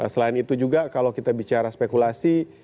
selain itu juga kalau kita bicara spekulasi